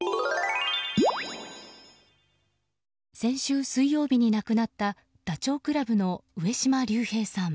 先週水曜日に亡くなったダチョウ倶楽部の上島竜兵さん。